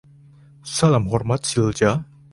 Salam hormat, Silja.